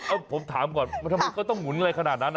เอาผมถามก่อนทำไมก็ต้องหมุนอะไรขนาดนั้น